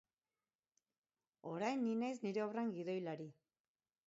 Orain ni naiz nire obran gidoilari.